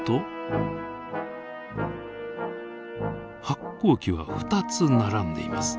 発光器は２つ並んでいます。